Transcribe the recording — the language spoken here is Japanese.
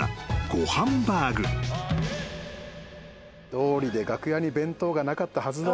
どうりで楽屋に弁当がなかったはずだ。